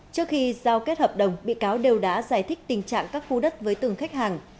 trước khi giao kết hợp đồng bị cáo đều đã giải thích tình trạng các khu đất với từng khách hàng